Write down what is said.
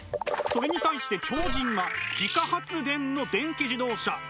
それに対して超人は自家発電の電気自動車。